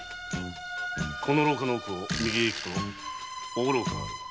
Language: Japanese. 廊下の奥を右へ行くと奥廊下がある。